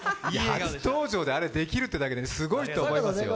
初登場であれできるってだけですごいと思いますよ。